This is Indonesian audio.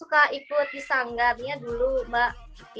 cuman kan karena sekarang gak bisa kemana mana